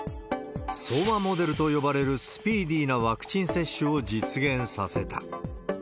相馬モデルと呼ばれるスピーディーなワクチン接種を実現させた。